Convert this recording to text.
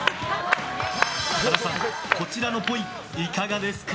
羽田さん、こちらのぽいいかがですか？